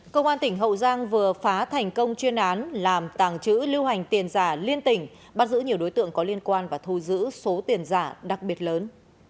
công an tỉnh hậu giang vừa phá thành công chuyên án làm tàng trữ lưu hành tiền giả liên tỉnh bắt giữ nhiều đối tượng có liên quan và thu giữ số tiền giả đặc biệt lớn